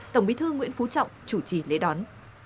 tổng bí thư nguyễn phú trọng chủ trì lễ đón